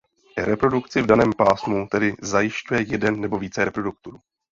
Reprodukci v daném pásmu tedy zajišťuje jeden nebo více reproduktorů.